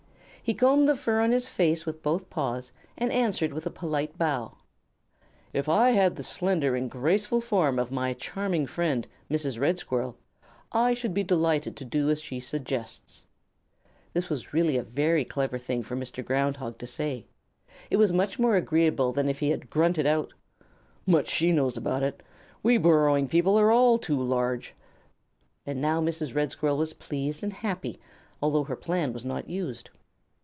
He combed the fur on his face with both paws, and answered with a polite bow: "If I had the slender and graceful form of my charming friend, Mrs. Red Squirrel, I should be delighted to do as she suggests." That was really a very clever thing for Mr. Ground Hog to say. It was much more agreeable than if he had grunted out, "Much she knows about it! We burrowing people are all too large." And now Mrs. Red Squirrel was pleased and happy although her plan was not used.